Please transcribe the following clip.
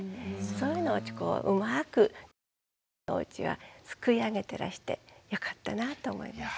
そういうのをうまく冨澤さんのおうちはすくい上げてらしてよかったなと思います。